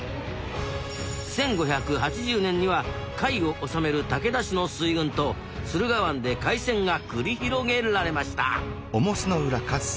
１５８０年には甲斐を治める武田氏の水軍と駿河湾で海戦が繰り広げられました